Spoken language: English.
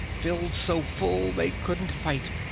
Filled so full they couldn't fight.